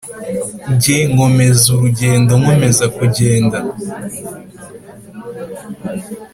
Jye nkomeza urugendo nkomeza kugenda